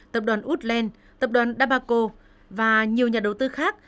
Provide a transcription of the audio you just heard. tập đoàn woodland tập đoàn dabaco và nhiều nhà đầu tư khác